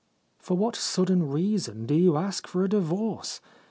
For what sudden reason do you ask for a divorce